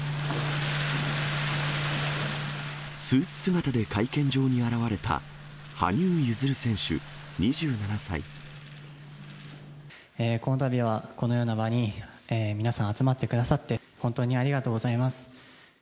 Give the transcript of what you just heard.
スーツ姿で会見場に現れた羽このたびは、このような場に皆さん集まってくださって、本当にありがとうございます。